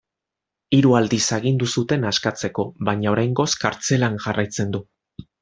Hiru aldiz agindu zuten askatzeko, baina oraingoz kartzelan jarraitzen du.